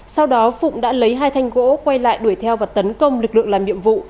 sau đó phụng đã lấy hai thanh gỗ quay lại đuổi theo và tấn công lực lượng làm nhiệm vụ